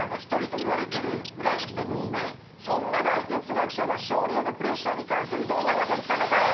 そんな大哲学者が勝利へのプレッシャーに関するどんなことを言ったのか。